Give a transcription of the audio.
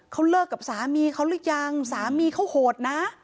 เขาเลิกกับสามีเขาหรือยังสามีเขาโหดนะ